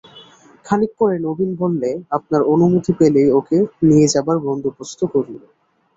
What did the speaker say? খানিক পরে নবীন বললে, আপনার অনুমতি পেলেই ওঁকে নিয়ে যাবার বন্দোবস্ত করি।